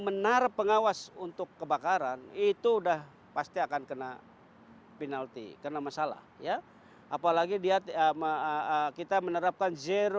menara pengawas untuk kebakaran itu udah pasti akan kena penalti kena masalah ya apalagi dia ama kita menerapi perusahaan ini tidak memengaruhi penurusan minumnya